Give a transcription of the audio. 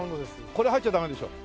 これ入っちゃダメでしょ？